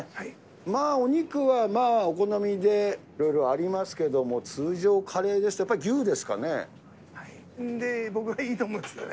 まあ、お肉はお好みでいろいろありますけども、通常カレーですと、僕はいいと思うんですけどね。